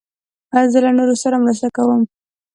زه له نورو سره مرسته کوم.